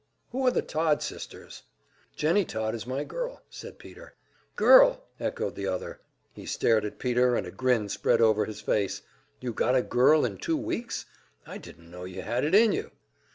"Who are the Todd sisters?" "Jennie Todd is my girl," said Peter. "Girl!" echoed the other; he stared at Peter, and a grin spread over his face. "You got a girl in two weeks? I didn't know you had it in you!"